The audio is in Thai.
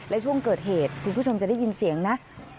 และช่วงเกิดเหตุคุณผู้ชมจะได้ยินเสียงนะ